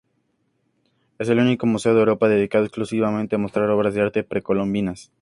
Es el único museo de Europa dedicado exclusivamente a mostrar obras de arte precolombinas.